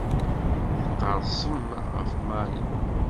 Tqerrsem ɣef Mary.